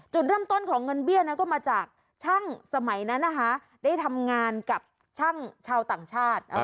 จุดเริ่มต้นของเงินเบี้ยก็มาจากช่างสมัยนั้นนะคะได้ทำงานกับช่างชาวต่างชาติ